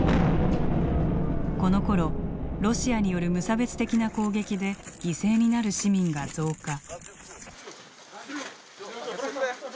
このころロシアによる無差別的な攻撃で犠牲になる市民が増加。